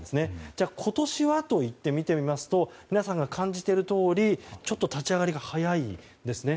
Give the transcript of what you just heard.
じゃあ、今年はといってみると皆さんが感じているようにちょっと立ち上がりが早いですね。